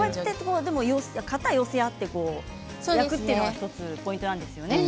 でも肩寄せ合って焼くというのがポイントなんですね。